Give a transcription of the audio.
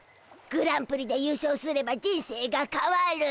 グランプリで優勝すれば人生がかわる。